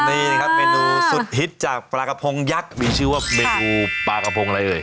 นี่นะครับเมนูสุดฮิตจากปลากระพงยักษ์มีชื่อว่าเมนูปลากระพงอะไรเอ่ย